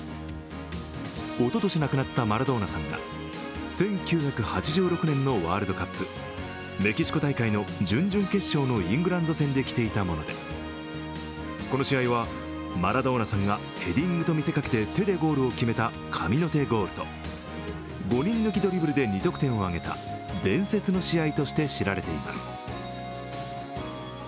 おととし亡くなったマラドーナさんが１９８６年のワールドカップメキシコ大会の準々決勝のイングランド戦で着ていたものでこの試合はマラドーナさんがヘディングと見せかけて手でゴールを決めた神の手ゴールと、５人抜きドリブルで２得点を挙げた伝説の試合として知られています。